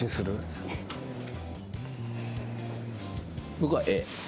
僕はＡ。